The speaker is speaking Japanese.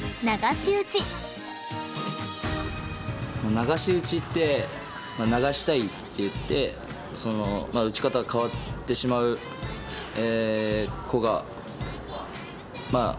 流し打ちって流したいって言って打ち方変わってしまう子がいると思うんですけど。